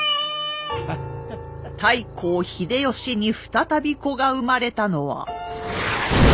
太閤秀吉に再び子が生まれたのは。